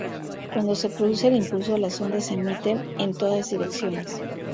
Cuando se produce el impulso, las ondas se emiten en todas direcciones.